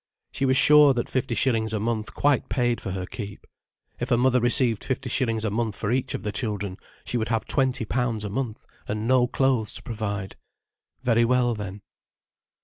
She was sure that fifty shillings a month quite paid for her keep. If her mother received fifty shillings a month for each of the children, she would have twenty pounds a month and no clothes to provide. Very well then.